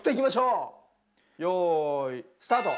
よいスタート。